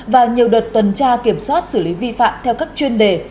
và nhiều đợt tuần tra kiểm soát xử lý vi phạm theo các chuyên đề